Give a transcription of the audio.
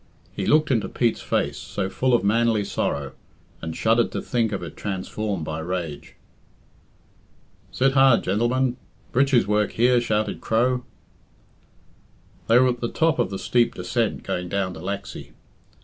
He looked into Pete's face, so full of manly sorrow, and shuddered to think of it transformed by rage. "Sit hard, gentlemen. Breeches' work here," shouted Crow. They were at the top of the steep descent going down to Laxey.